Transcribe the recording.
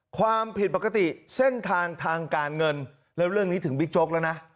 ความผิดปกติเส้นทางทางการเงินแล้วเรื่องนี้ถึงบิ๊กโจ๊กแล้วนะ